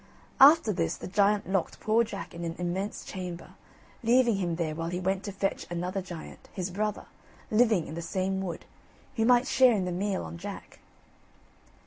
After this the giant locked poor Jack in an immense chamber, leaving him there while he went to fetch another giant, his brother, living in the same wood, who might share in the meal on Jack.